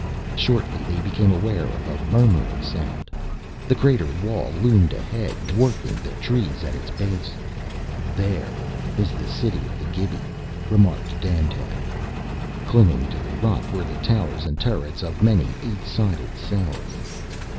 Shortly they became aware of a murmuring sound. The crater wall loomed ahead, dwarfing the trees at its base. "There is the city of the Gibi," remarked Dandtan. Clinging to the rock were the towers and turrets of many eight sided cells.